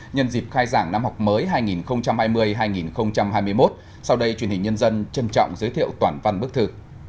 nhân dịp khai giảng năm học mới hai nghìn hai mươi hai nghìn hai mươi một sau đây truyền hình nhân dân trân trọng giới thiệu toàn văn bức thư